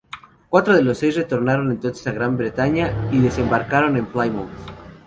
Cuatro de los seis retornaron entonces a Gran Bretaña y desembarcaron en Plymouth.